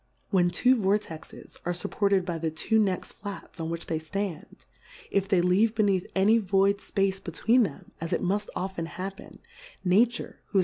When two Vor texes are fupported by the two next Flats on which they ftand, if they leave be neath any void Space between tbem, as it mull often happen, Nature^ who is an Plmality ^/worlds.